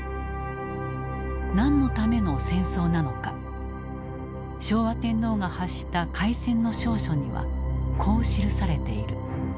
何のための戦争なのか昭和天皇が発した開戦の詔書にはこう記されている。